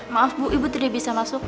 maaf bu ibu tidak bisa masuk